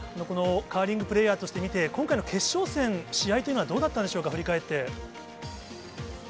このカーリングプレーヤーとして見て、今回の決勝戦、試合というのはどうだったでしょうか、振り返って。